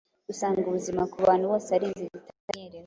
dusanga ubuzima ku bantu bose ari inzira itamenyerewe.